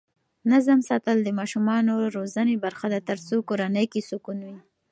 نظم ساتل د ماشومانو روزنې برخه ده ترڅو کورنۍ کې سکون وي.